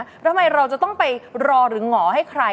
ทำไมเราจะต้องไปรอหรือหงอให้ใคร